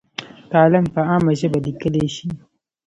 کالم په عامه ژبه لیکلی شي.